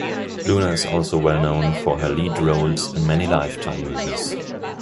Luner is also well known for her lead roles in many Lifetime movies.